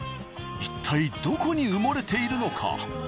一体どこに埋もれているのか？